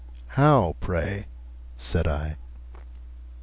'How, pray?' said I.